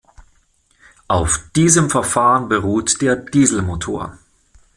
Auf diesem Verfahren beruht der Dieselmotor.